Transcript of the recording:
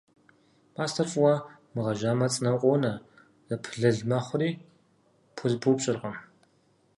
Пӏастэр фӏыуэ мыгъэжьамэ цӏынэу къонэ, зэпылэл мэхъури пхузэпыупщӏыркъым.